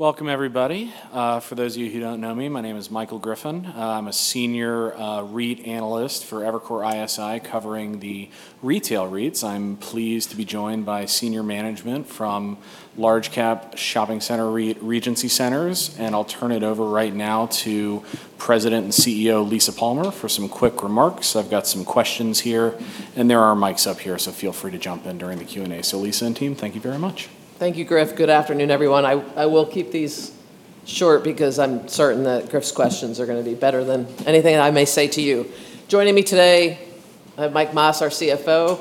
Welcome everybody. For those of you who don't know me, my name is Michael Griffin. I'm a senior REIT analyst for Evercore ISI covering the retail REITs. I'm pleased to be joined by senior management from large cap shopping center, Regency Centers, and I'll turn it over right now to President and CEO, Lisa Palmer, for some quick remarks. I've got some questions here, and there are mics up here, so feel free to jump in during the Q&A. Lisa and team, thank you very much. Thank you, Griff. Good afternoon, everyone. I will keep these short because I'm certain that Griff's questions are going to be better than anything I may say to you. Joining me today, I have Mike Mas, our CFO,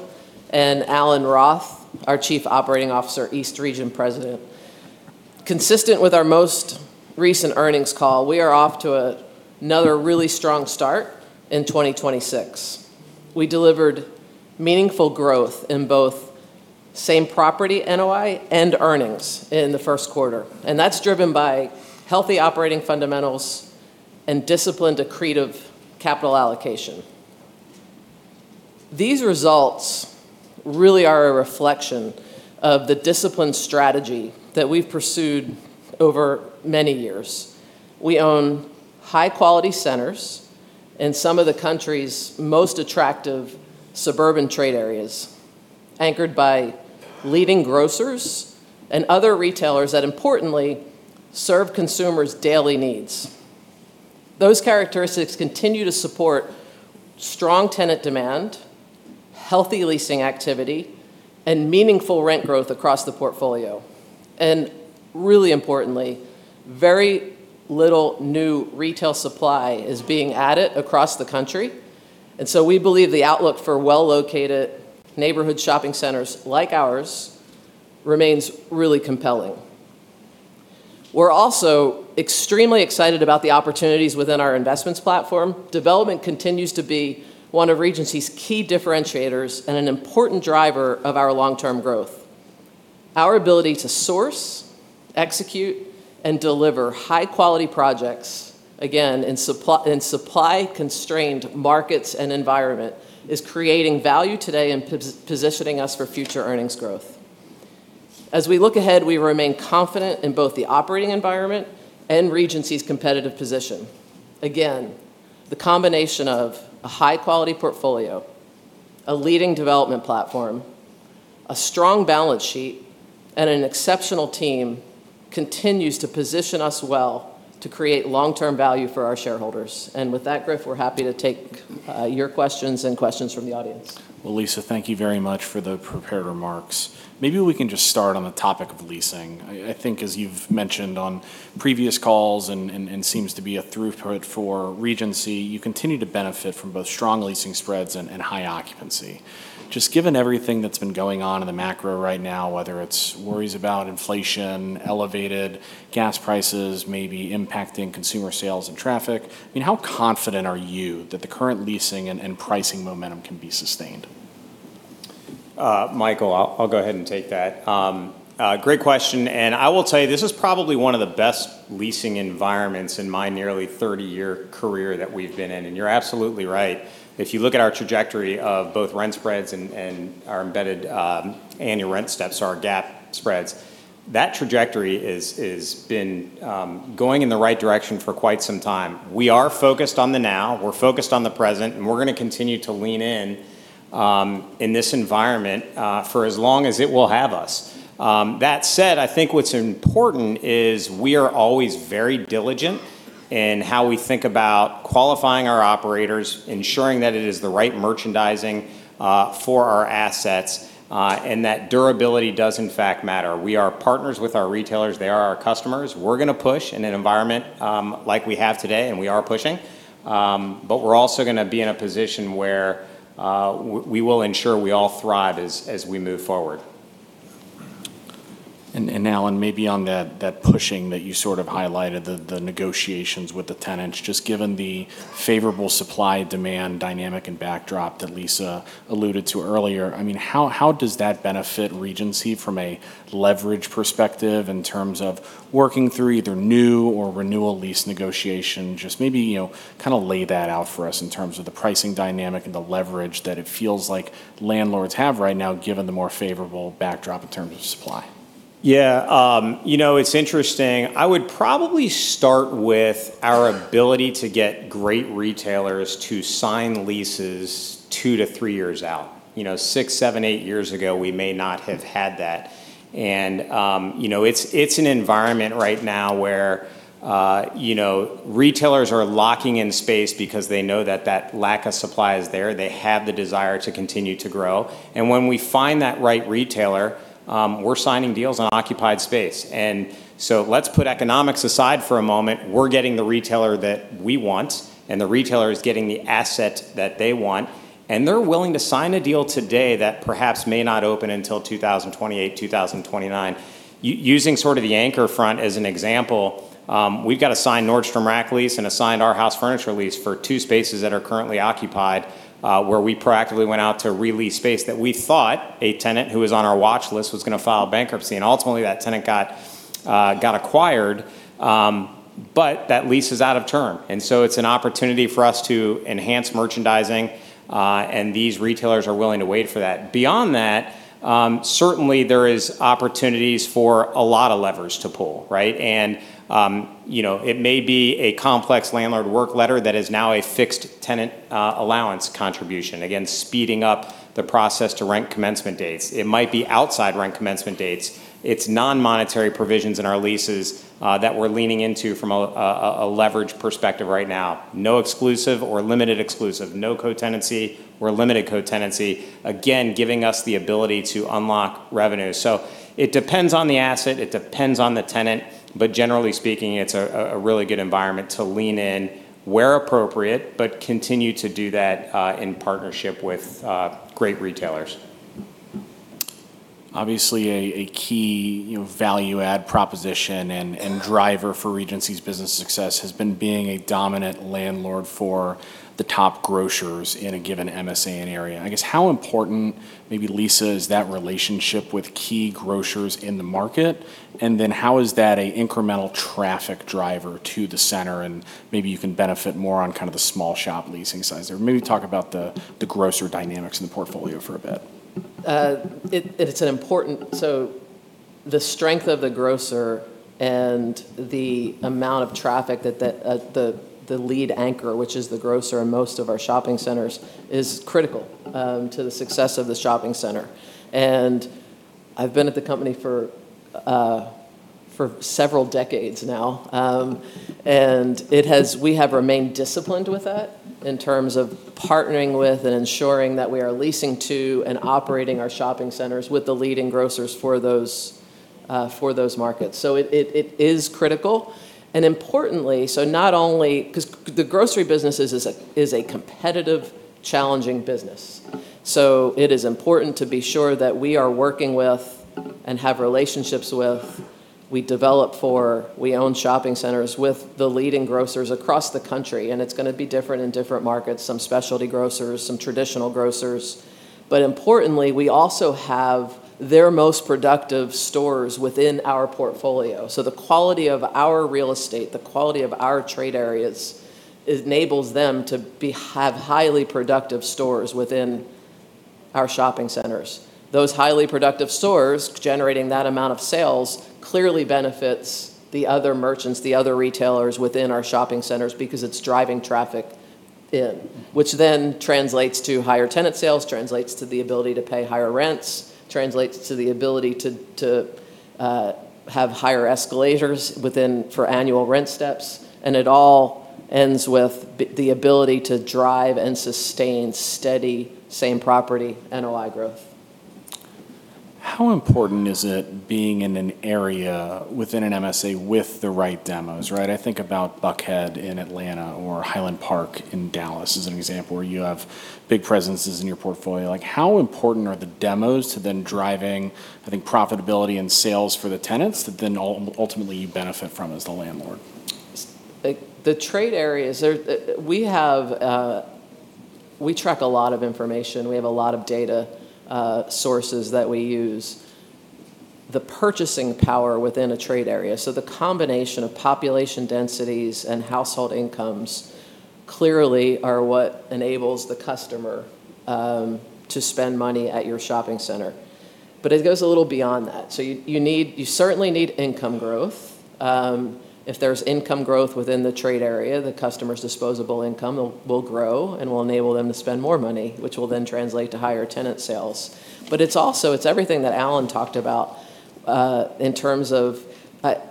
and Alan Roth, our Chief Operating Officer, East Region President. Consistent with our most recent earnings call, we are off to another really strong start in 2026. We delivered meaningful growth in both same property NOI and earnings in the first quarter, and that's driven by healthy operating fundamentals and disciplined accretive capital allocation. These results really are a reflection of the disciplined strategy that we've pursued over many years. We own high-quality centers in some of the country's most attractive suburban trade areas, anchored by leading grocers and other retailers that importantly serve consumers' daily needs. Those characteristics continue to support strong tenant demand, healthy leasing activity, and meaningful rent growth across the portfolio. Really importantly, very little new retail supply is being added across the country, and so we believe the outlook for well-located neighborhood shopping centers like ours remains really compelling. We're also extremely excited about the opportunities within our investments platform. Development continues to be one of Regency's key differentiators and an important driver of our long-term growth. Our ability to source, execute, and deliver high-quality projects, again, in supply-constrained markets and environment, is creating value today and positioning us for future earnings growth. As we look ahead, we remain confident in both the operating environment and Regency's competitive position. Again, the combination of a high-quality portfolio, a leading development platform, a strong balance sheet, and an exceptional team continues to position us well to create long-term value for our shareholders. With that, Griff, we're happy to take your questions and questions from the audience. Well, Lisa, thank you very much for the prepared remarks. Maybe we can just start on the topic of leasing. I think as you've mentioned on previous calls and seems to be a through point for Regency, you continue to benefit from both strong leasing spreads and high occupancy. Just given everything that's been going on in the macro right now, whether it's worries about inflation, elevated gas prices maybe impacting consumer sales and traffic, how confident are you that the current leasing and pricing momentum can be sustained? Michael, I'll go ahead and take that. Great question, I will tell you, this is probably one of the best leasing environments in my nearly 30-year career that we've been in. You're absolutely right. If you look at our trajectory of both rent spreads and our embedded annual rent steps, so our GAAP spreads, that trajectory has been going in the right direction for quite some time. We are focused on the now, we're focused on the present, and we're going to continue to lean in in this environment for as long as it will have us. That said, I think what's important is we are always very diligent in how we think about qualifying our operators, ensuring that it is the right merchandising for our assets, and that durability does in fact matter. We are partners with our retailers. They are our customers. We're going to push in an environment like we have today, and we are pushing, but we're also going to be in a position where we will ensure we all thrive as we move forward. Alan, maybe on that pushing that you sort of highlighted, the negotiations with the tenants, just given the favorable supply-demand dynamic and backdrop that Lisa alluded to earlier, how does that benefit Regency from a leverage perspective in terms of working through either new or renewal lease negotiation? Just maybe kind of lay that out for us in terms of the pricing dynamic and the leverage that it feels like landlords have right now, given the more favorable backdrop in terms of supply. Yeah. It's interesting. I would probably start with our ability to get great retailers to sign leases two-three years out. Six, seven, eight years ago, we may not have had that. It's an environment right now where retailers are locking in space because they know that that lack of supply is there. They have the desire to continue to grow. When we find that right retailer, we're signing deals on occupied space. Let's put economics aside for a moment. We're getting the retailer that we want, and the retailer is getting the asset that they want, and they're willing to sign a deal today that perhaps may not open until 2028, 2029. Using sort of the anchor front as an example, we've got a signed Nordstrom Rack lease and a signed Arhaus furniture lease for two spaces that are currently occupied, where we proactively went out to re-lease space that we thought a tenant who was on our watch list was going to file bankruptcy. Ultimately that tenant got acquired. That lease is out of term. It's an opportunity for us to enhance merchandising. These retailers are willing to wait for that. Beyond that, certainly there is opportunities for a lot of levers to pull. It may be a complex landlord work letter that is now a fixed tenant allowance contribution, again, speeding up the process to rent commencement dates. It might be outside rent commencement dates. It's non-monetary provisions in our leases that we're leaning into from a leverage perspective right now. No exclusive or limited exclusive, no co-tenancy or limited co-tenancy, again, giving us the ability to unlock revenue. It depends on the asset, it depends on the tenant, but generally speaking, it's a really good environment to lean in where appropriate, but continue to do that in partnership with great retailers. Obviously, a key value add proposition and driver for Regency's business success has been being a dominant landlord for the top grocers in a given MSA and area. I guess how important, maybe Lisa, is that relationship with key grocers in the market, and then how is that an incremental traffic driver to the center, and maybe you can benefit more on the small shop leasing side? Maybe talk about the grocer dynamics in the portfolio for a bit. The strength of the grocer and the amount of traffic that the lead anchor, which is the grocer in most of our shopping centers, is critical to the success of the shopping center. I've been at the company for several decades now, and we have remained disciplined with that in terms of partnering with and ensuring that we are leasing to and operating our shopping centers with the leading grocers for those markets. It is critical, because the grocery business is a competitive, challenging business. It is important to be sure that we are working with and have relationships with, we develop for, we own shopping centers with the leading grocers across the country, and it's going to be different in different markets, some specialty grocers, some traditional grocers. Importantly, we also have their most productive stores within our portfolio. The quality of our real estate, the quality of our trade areas, enables them to have highly productive stores within our shopping centers. Those highly productive stores generating that amount of sales clearly benefits the other merchants, the other retailers within our shopping centers because it's driving traffic in, which then translates to higher tenant sales, translates to the ability to pay higher rents, translates to the ability to have higher escalators for annual rent steps, and it all ends with the ability to drive and sustain steady same property NOI growth. How important is it being in an area within an MSA with the right demos? I think about Buckhead in Atlanta or Highland Park in Dallas as an example, where you have big presences in your portfolio. How important are the demos to then driving, I think, profitability and sales for the tenants that then ultimately you benefit from as the landlord? The trade areas, we track a lot of information. We have a lot of data sources that we use. The purchasing power within a trade area. The combination of population densities and household incomes clearly are what enables the customer to spend money at your shopping center. It goes a little beyond that. You certainly need income growth. If there's income growth within the trade area, the customer's disposable income will grow and will enable them to spend more money, which will then translate to higher tenant sales. It's everything that Alan talked about, and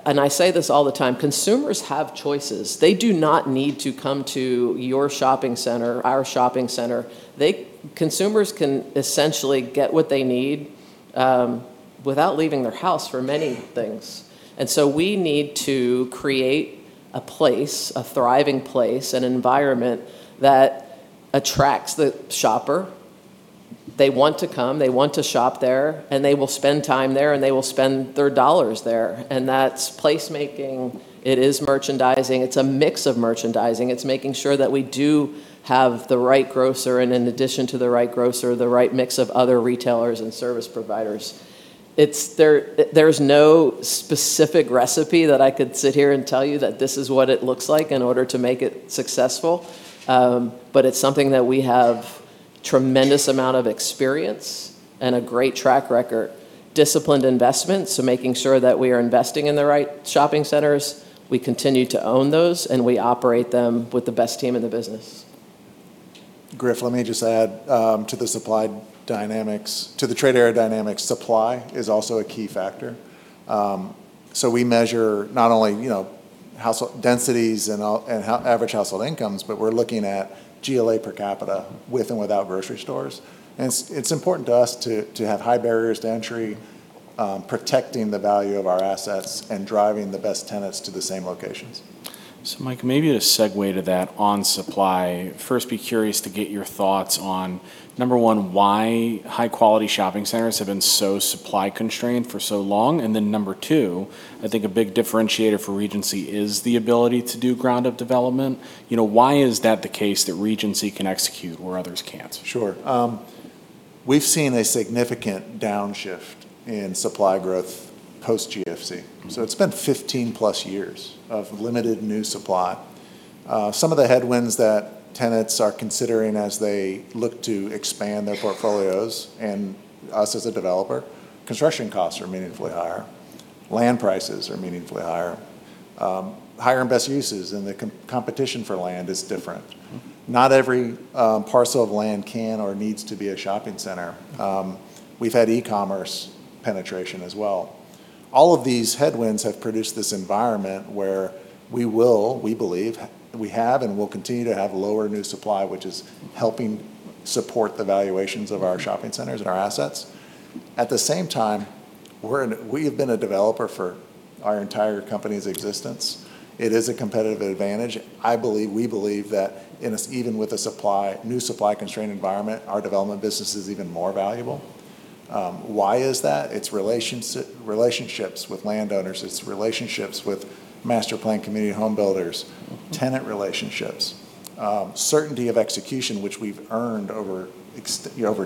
I say this all the time, consumers have choices. They do not need to come to your shopping center, our shopping center. Consumers can essentially get what they need without leaving their house for many things. We need to create a place, a thriving place, an environment that attracts the shopper. They want to come, they want to shop there, and they will spend time there, and they will spend their dollars there. That's place making. It is merchandising. It's a mix of merchandising. It's making sure that we do have the right grocer, and in addition to the right grocer, the right mix of other retailers and service providers. There's no specific recipe that I could sit here and tell you that this is what it looks like in order to make it successful, but it's something that we have tremendous amount of experience and a great track record. Disciplined investment. Making sure that we are investing in the right shopping centers. We continue to own those. We operate them with the best team in the business. Griff, let me just add to the trade area dynamics, supply is also a key factor. We measure not only household densities and average household incomes, but we're looking at GLA per capita with and without grocery stores. It's important to us to have high barriers to entry, protecting the value of our assets, and driving the best tenants to the same locations. Mike, maybe to segue to that on supply, first be curious to get your thoughts on, number one, why high quality shopping centers have been so supply constrained for so long. Number two, I think a big differentiator for Regency is the ability to do ground up development. Why is that the case that Regency can execute where others can't? We've seen a significant downshift in supply growth post-GFC. It's been 15+ years of limited new supply. Some of the headwinds that tenants are considering as they look to expand their portfolios, and us as a developer, construction costs are meaningfully higher. Land prices are meaningfully higher. Higher and best uses, and the competition for land is different. Not every parcel of land can or needs to be a shopping center. We've had e-commerce penetration as well. All of these headwinds have produced this environment where we will, we believe, we have and will continue to have lower new supply, which is helping support the valuations of our shopping centers and our assets. At the same time, we have been a developer for our entire company's existence. It is a competitive advantage. I believe, we believe, that even with a new supply-constrained environment, our development business is even more valuable. Why is that? It's relationships with landowners, it's relationships with master plan community home builders. Tenant relationships, certainty of execution, which we've earned over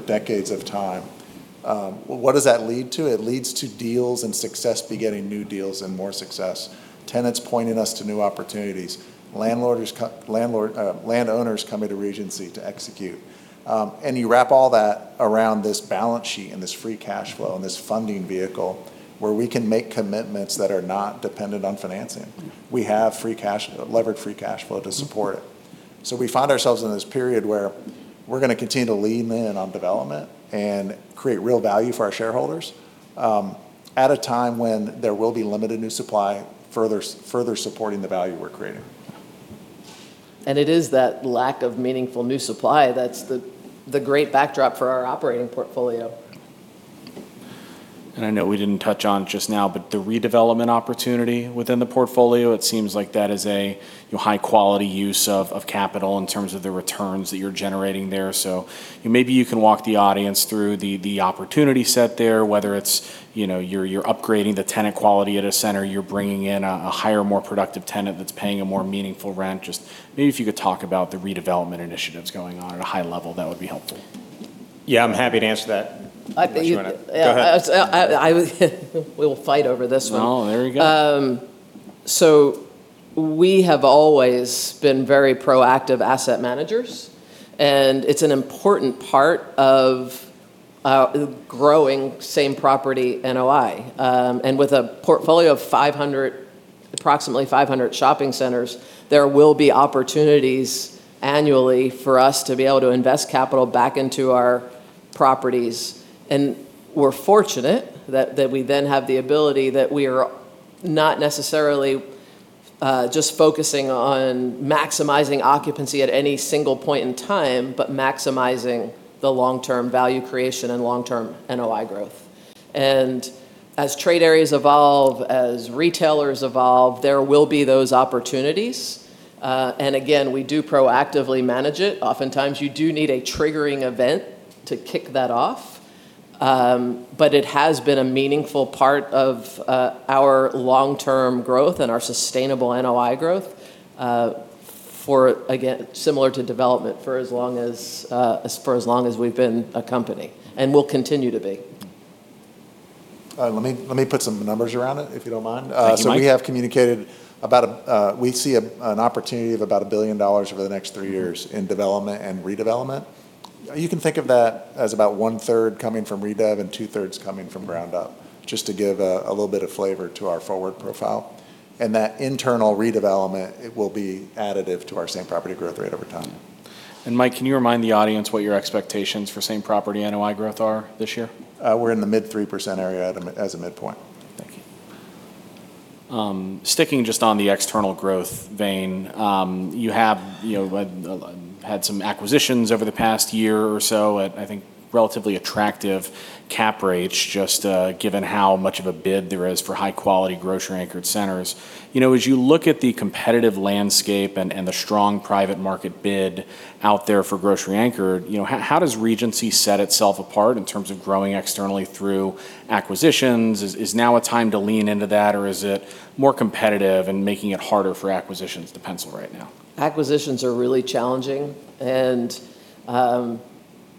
decades of time. What does that lead to? It leads to deals and success begetting new deals and more success. Tenants pointing us to new opportunities. Landowners coming to Regency to execute. You wrap all that around this balance sheet, and this free cash flow, and this funding vehicle, where we can make commitments that are not dependent on financing. We have levered free cash flow to support it. We find ourselves in this period where we're going to continue to lean in on development and create real value for our shareholders, at a time when there will be limited new supply, further supporting the value we're creating. It is that lack of meaningful new supply that's the great backdrop for our operating portfolio. I know we didn't touch on it just now, but the redevelopment opportunity within the portfolio, it seems like that is a high-quality use of capital in terms of the returns that you're generating there. Maybe you can walk the audience through the opportunity set there, whether it's you're upgrading the tenant quality at a center, you're bringing in a higher, more productive tenant that's paying a more meaningful rent. Maybe if you could talk about the redevelopment initiatives going on at a high level, that would be helpful. Yeah, I'm happy to answer that. I- Unless you want to go ahead. We will fight over this one. No, there you go. We have always been very proactive asset managers, and it's an important part of growing same-property NOI. With a portfolio of approximately 500 shopping centers, there will be opportunities annually for us to be able to invest capital back into our properties. We're fortunate that we then have the ability that we are not necessarily just focusing on maximizing occupancy at any single point in time, but maximizing the long-term value creation and long-term NOI growth. As trade areas evolve, as retailers evolve, there will be those opportunities. Again, we do proactively manage it. Oftentimes, you do need a triggering event to kick that off. It has been a meaningful part of our long-term growth and our sustainable NOI growth, similar to development for as long as we've been a company, and will continue to be. Let me put some numbers around it, if you don't mind. Thank you, Mike. We have communicated, we see an opportunity of about $1 billion over the next three years in development and redevelopment. You can think of that as about 1/3 coming from redev, and 2/3 coming from ground up, just to give a little bit of flavor to our forward profile. That internal redevelopment, it will be additive to our same property growth rate over time. Mike, can you remind the audience what your expectations for same-property NOI growth are this year? We're in the mid 3% area as a midpoint. Thank you. Sticking just on the external growth vein, you have had some acquisitions over the past year or so at, I think, relatively attractive cap rates, just given how much of a bid there is for high-quality, grocery-anchored centers. As you look at the competitive landscape and the strong private market bid out there for grocery-anchored, how does Regency set itself apart in terms of growing externally through acquisitions? Is now a time to lean into that, or is it more competitive and making it harder for acquisitions to pencil right now? Acquisitions are really challenging.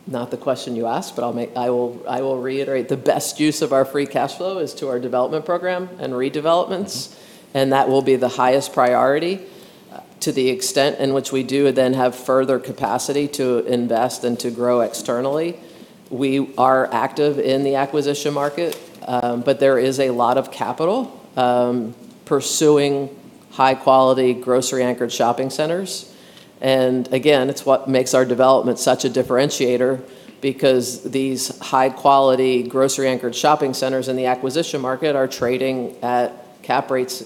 Not the question you asked, but I will reiterate, the best use of our free cash flow is to our development program and redevelopments. That will be the highest priority. To the extent in which we do then have further capacity to invest and to grow externally, we are active in the acquisition market. There is a lot of capital pursuing high-quality, grocery-anchored shopping centers. Again, it's what makes our development such a differentiator, because these high-quality, grocery-anchored shopping centers in the acquisition market are trading at cap rates,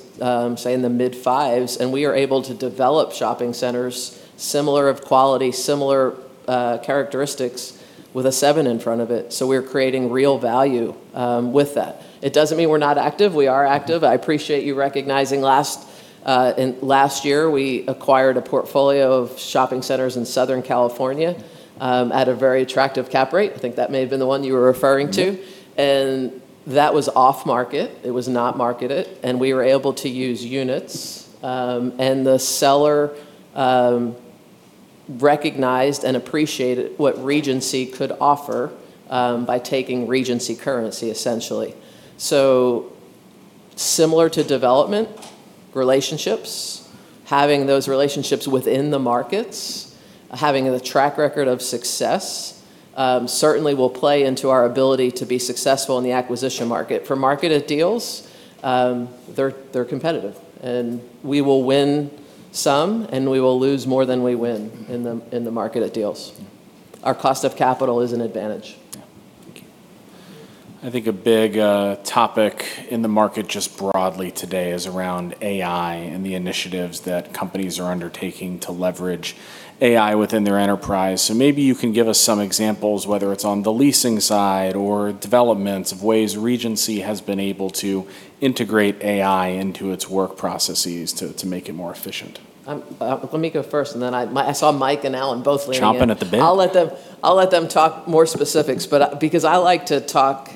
say in the mid-5%s, and we are able to develop shopping centers similar of quality, similar characteristics, with a seven in front of it. We're creating real value with that. It doesn't mean we're not active. We are active. I appreciate you recognizing last year, we acquired a portfolio of shopping centers in Southern California at a very attractive cap rate. I think that may have been the one you were referring to. That was off-market. It was not marketed, and we were able to use units. The seller recognized and appreciated what Regency could offer by taking Regency currency, essentially. Similar to development, relationships, having those relationships within the markets, having the track record of success certainly will play into our ability to be successful in the acquisition market. For marketed deals, they're competitive, and we will win some, and we will lose more than we win in the marketed deals. Yeah. Our cost of capital is an advantage. I think a big topic in the market just broadly today is around AI and the initiatives that companies are undertaking to leverage AI within their enterprise. Maybe you can give us some examples, whether it's on the leasing side or developments of ways Regency has been able to integrate AI into its work processes to make it more efficient. Let me go first, and then I saw Mike and Alan both leaning in. Chomping at the bit. I'll let them talk more specifics, but because I like to talk,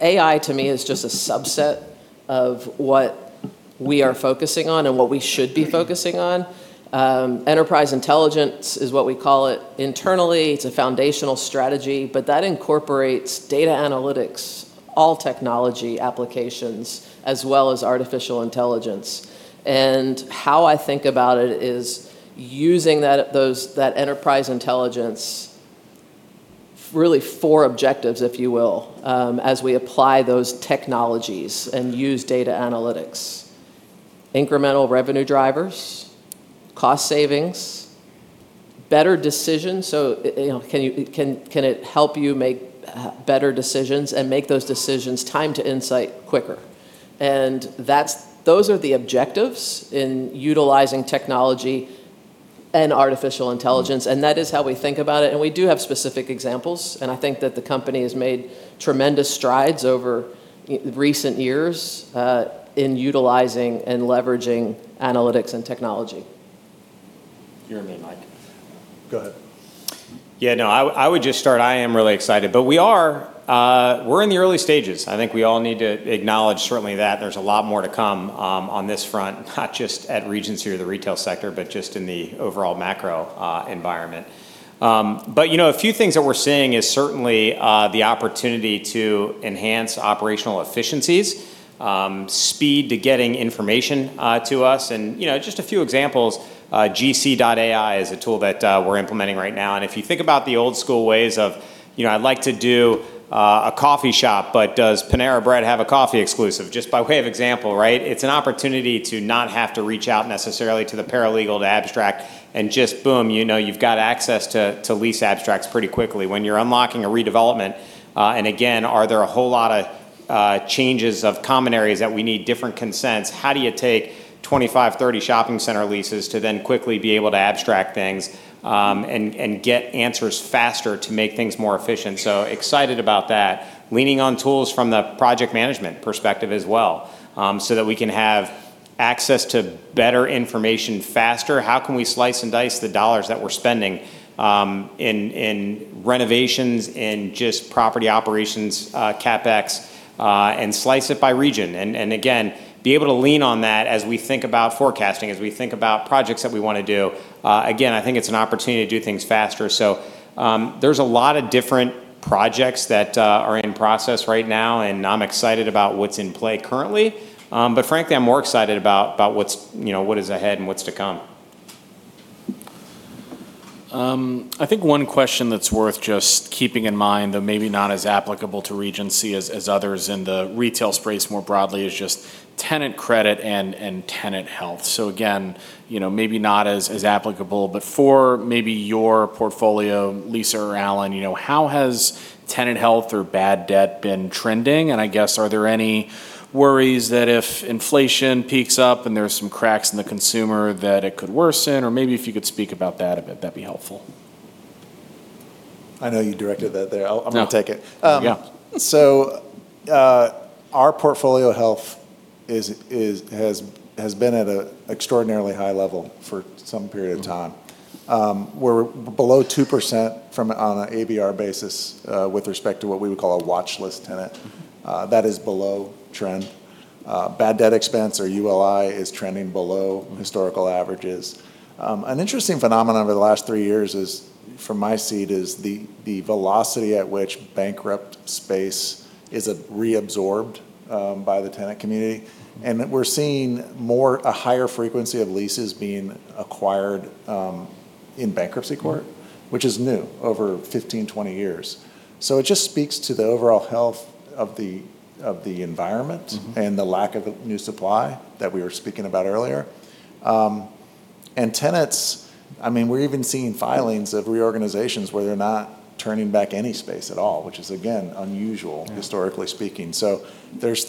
AI to me is just a subset of what we are focusing on and what we should be focusing on. Enterprise intelligence is what we call it internally. It's a foundational strategy, but that incorporates data analytics, all technology applications, as well as artificial intelligence. How I think about it is using that enterprise intelligence, really four objectives, if you will, as we apply those technologies and use data analytics. Incremental revenue drivers, cost savings, better decisions. Can it help you make better decisions and make those decisions time to insight quicker? Those are the objectives in utilizing technology and artificial intelligence, and that is how we think about it, and we do have specific examples. I think that the company has made tremendous strides over recent years in utilizing and leveraging analytics and technology. Alan and Mike. Go ahead. Yeah, no, I would just start, I am really excited. We're in the early stages. I think we all need to acknowledge certainly that there's a lot more to come on this front, not just at Regency or the retail sector, but just in the overall macro environment. A few things that we're seeing is certainly the opportunity to enhance operational efficiencies, speed to getting information to us, and just a few examples. GC.AI is a tool that we're implementing right now, and if you think about the old school ways of, I'd like to do a coffee shop, but does Panera Bread have a coffee exclusive? Just by way of example, right? It's an opportunity to not have to reach out necessarily to the paralegal to abstract and just boom, you've got access to lease abstracts pretty quickly. When you're unlocking a redevelopment, and again, are there a whole lot of changes of common areas that we need different consents? How do you take 25, 30 shopping center leases to then quickly be able to abstract things, and get answers faster to make things more efficient? Excited about that. Leaning on tools from the project management perspective as well, so that we can have access to better information faster. How can we slice and dice the dollars that we're spending in renovations, in just property operations, CapEx, and slice it by region? Again, be able to lean on that as we think about forecasting, as we think about projects that we want to do. Again, I think it's an opportunity to do things faster. There's a lot of different projects that are in process right now, and I'm excited about what's in play currently. Frankly, I'm more excited about what is ahead and what's to come. I think one question that's worth just keeping in mind, though maybe not as applicable to Regency as others in the retail space more broadly, is just tenant credit and tenant health. Again, maybe not as applicable, but for maybe your portfolio, Lisa or Alan, how has tenant health or bad debt been trending? I guess, are there any worries that if inflation peaks up and there are some cracks in the consumer that it could worsen? Maybe if you could speak about that a bit, that'd be helpful. I know you directed that there. No. I'm going to take it. Yeah. Our portfolio health has been at an extraordinarily high level for some period of time. We're below 2% on an ABR basis with respect to what we would call a watchlist tenant. That is below trend. Bad debt expense or ULI is trending below historical averages. An interesting phenomenon over the last three years is from my seat is the velocity at which bankrupt space is reabsorbed by the tenant community. We're seeing a higher frequency of leases being acquired in bankruptcy court. which is new over 15, 20 years. It just speaks to the overall health of the environment. The lack of new supply that we were speaking about earlier. Tenants, we're even seeing filings of reorganizations where they're not turning back any space at all, which is again, unusual. Yeah historically speaking. There's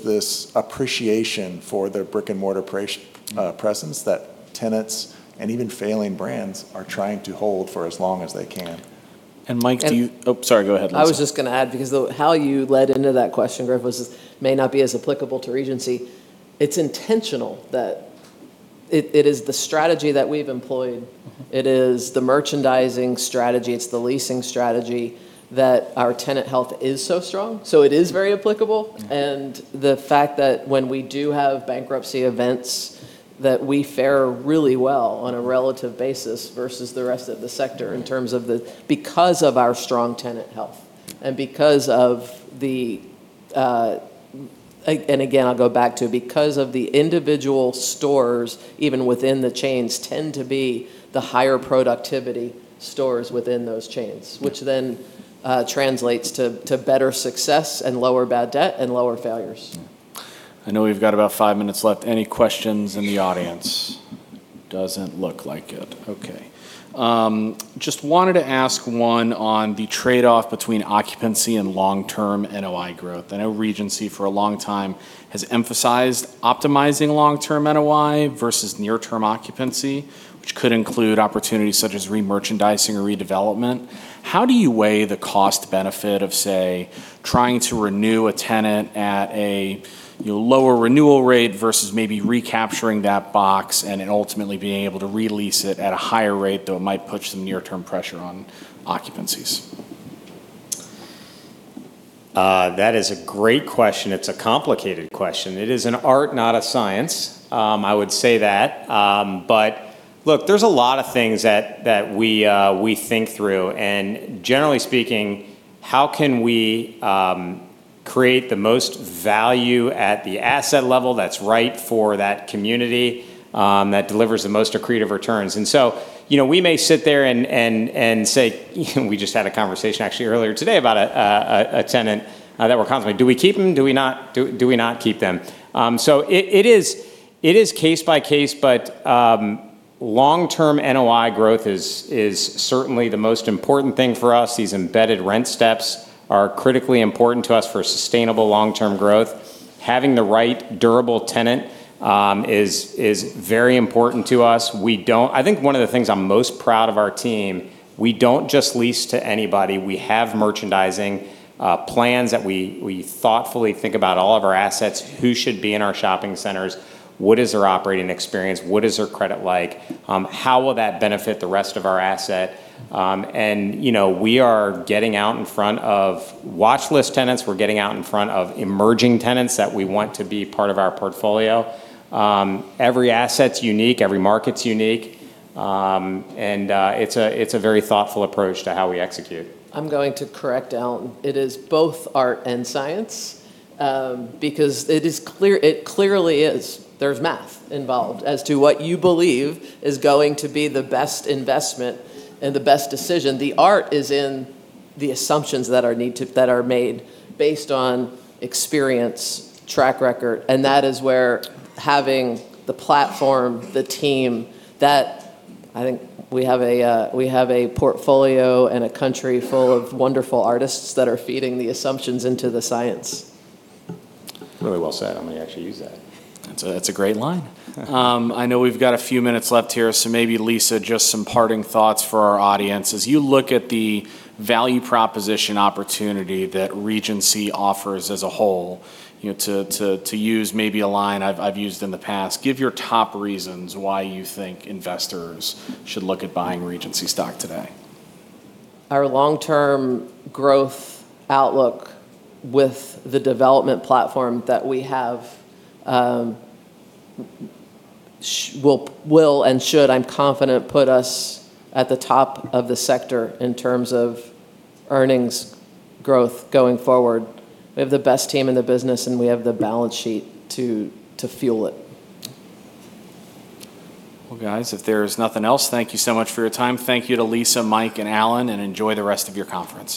this appreciation for their brick-and-mortar presence that tenants and even failing brands are trying to hold for as long as they can. Mike, Oh, sorry. Go ahead, Lisa. I was just going to add, because how you led into that question, Griff, was this may not be as applicable to Regency. It's intentional that it is the strategy that we've employed. It is the merchandising strategy, it's the leasing strategy that our tenant health is so strong, so it is very applicable. The fact that when we do have bankruptcy events, that we fare really well on a relative basis versus the rest of the sector because of our strong tenant health. Again, I'll go back to because of the individual stores, even within the chains, tend to be the higher productivity stores within those chains, which then translates to better success and lower bad debt and lower failures. I know we've got about five minutes left. Any questions in the audience? Doesn't look like it. Okay. Just wanted to ask one on the trade-off between occupancy and long-term NOI growth. I know Regency for a long time has emphasized optimizing long-term NOI versus near-term occupancy, which could include opportunities such as re-merchandising or redevelopment. How do you weigh the cost benefit of, say, trying to renew a tenant at a lower renewal rate versus maybe recapturing that box and then ultimately being able to re-lease it at a higher rate, though it might put some near-term pressure on occupancies? That is a great question. It's a complicated question. It is an art, not a science. I would say that. Look, there's a lot of things that we think through, and generally speaking, how can we create the most value at the asset level that's right for that community, that delivers the most accretive returns? We may sit there and say We just had a conversation, actually, earlier today about a tenant that we're contemplating. Do we keep them? Do we not keep them? It is case by case, but long-term NOI growth is certainly the most important thing for us. These embedded rent steps are critically important to us for sustainable long-term growth. Having the right durable tenant is very important to us. I think one of the things I'm most proud of our team, we don't just lease to anybody. We have merchandising plans that we thoughtfully think about all of our assets, who should be in our shopping centers, what is their operating experience, what is their credit like? How will that benefit the rest of our asset? We are getting out in front of watchlist tenants. We're getting out in front of emerging tenants that we want to be part of our portfolio. Every asset's unique, every market's unique. It's a very thoughtful approach to how we execute. I'm going to correct Alan. It is both art and science, because it clearly is. There's math involved as to what you believe is going to be the best investment and the best decision. The art is in the assumptions that are made based on experience, track record, and that is where having the platform, the team, that I think we have a portfolio and a country full of wonderful artists that are feeding the assumptions into the science. Really well said. I'm going to actually use that. That's a great line. I know we've got a few minutes left here. Maybe Lisa, just some parting thoughts for our audience. As you look at the value proposition opportunity that Regency offers as a whole, to use maybe a line I've used in the past, give your top reasons why you think investors should look at buying Regency stock today. Our long-term growth outlook with the development platform that we have will and should, I'm confident, put us at the top of the sector in terms of earnings growth going forward. We have the best team in the business, and we have the balance sheet to fuel it. Well, guys, if there's nothing else, thank you so much for your time. Thank you to Lisa, Mike, and Alan, and enjoy the rest of your conference